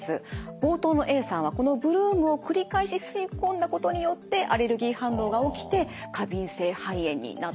冒頭のＡさんはこのブルームを繰り返し吸い込んだことによってアレルギー反応が起きて過敏性肺炎になってしまったんです。